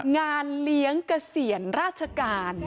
งานเลี้ยงเกษียณราชการ